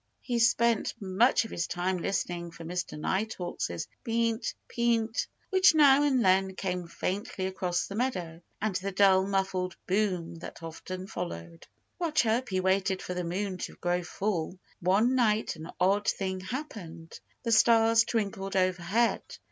He spent much of his time listening for Mr. Nighthawk's Peent! Peent! which now and then came faintly across the meadow, and the dull, muffled boom that often followed. While Chirpy waited for the moon to grow full, one night an odd thing happened. The stars twinkled overhead.